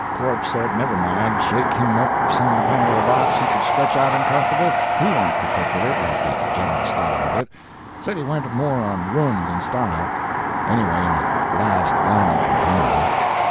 "Corpse said never mind, shake him up some kind of a box he could stretch out in comfortable, he warn't particular 'bout the general style of it. Said he went more on room than style, anyway in a last final container.